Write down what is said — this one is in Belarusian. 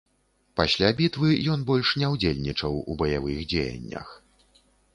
Пасля бітвы ён больш не ўдзельнічаў у баявых дзеяннях.